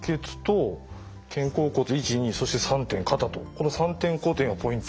この３点固定がポイント。